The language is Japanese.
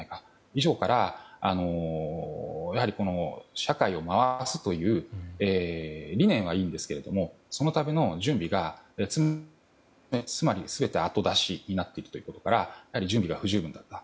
以上から社会を回すという理念はいいんですがそのための準備が全て後出しになっていることから準備が不十分だった。